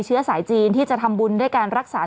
เชื้อสายจีนที่จะทำบุญด้วยการรักษา